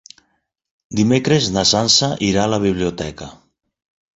Dimecres na Sança irà a la biblioteca.